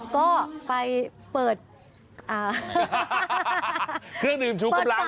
ก็ไปเปิดเครื่องดื่มชูกำลัง